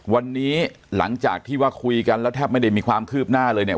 วันนี้หลังจากที่ว่าคุยกันแล้วแทบไม่ได้มีความคืบหน้าเลยเนี่ย